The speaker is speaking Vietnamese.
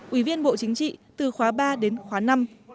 ủy viên bộ chính trị từ khóa ba đến khóa năm